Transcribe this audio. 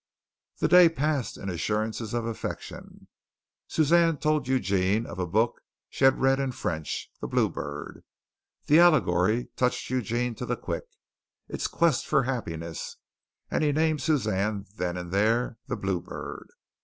The day passed in assurances of affection. Suzanne told Eugene of a book she had read in French, "The Blue Bird." The allegory touched Eugene to the quick its quest for happiness, and he named Suzanne then and there "The Blue Bird."